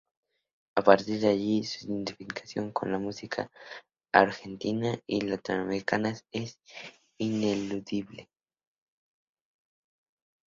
A partir de allí, su identificación con la música argentina y latinoamericanas es ineludible.